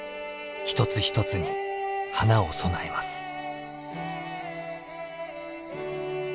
一つ一つに花を供えます。